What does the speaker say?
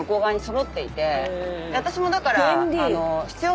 私もだから。